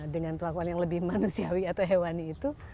dengan perlakuan yang lebih manusiawi atau hewani itu